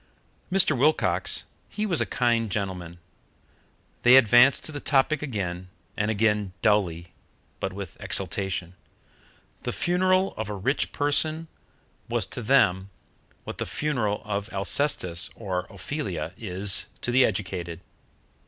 Mr. Wilcox, he was a kind gentleman. They advanced to the topic again and again, dully, but with exaltation. The funeral of a rich person was to them what the funeral of Alcestis or Ophelia is to the educated.